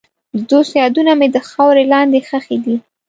د دوست یادونه مې د خاورې لاندې ښخې دي.